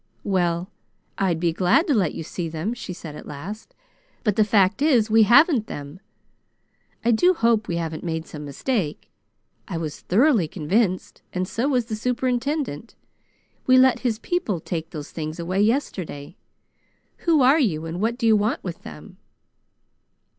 "Well, I'd be glad to let you see them," she said at last, "but the fact is we haven't them. I do hope we haven't made some mistake. I was thoroughly convinced, and so was the superintendent. We let his people take those things away yesterday. Who are you, and what do you want with them?"